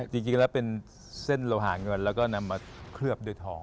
จริงแล้วเป็นเส้นโลหาเงินแล้วก็นำมาเคลือบด้วยทอง